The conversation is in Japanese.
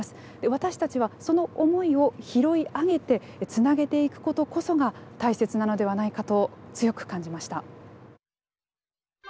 私たちはその思いを拾い上げてつなげていくことこそが大切なのではないかと強く感じました。